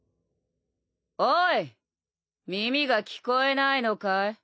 ぁ耳が聞こえないのかい？